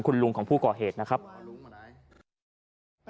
คุณลุงของผู้ก่อเหตุนะครับ